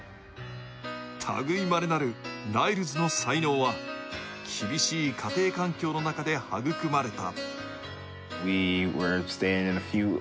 たぐいまれなるライルズの才能は、厳しい家庭環境の中で育まれた。